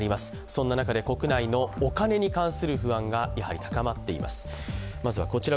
そんな中で国内のお金に関する不安が、やはり高まっています。